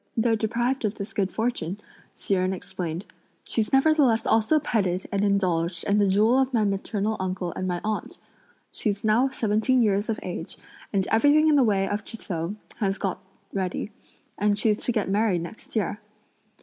"Though deprived of this good fortune," Hsi Jen explained, "she's nevertheless also petted and indulged and the jewel of my maternal uncle and my aunt! She's now seventeen years of age, and everything in the way of trousseau has been got ready, and she's to get married next year."